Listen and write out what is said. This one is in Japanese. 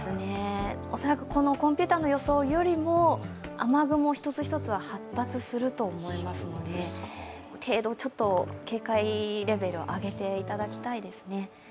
恐らくコンピューターの予想よりも雨雲は一つ一つ発達すると思うので警戒レベルを上げていただきたいですね。